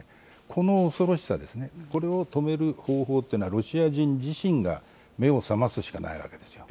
この恐ろしさですね、これを止める方法っていうのはロシア人自身が目を覚ますしかないわけですよ。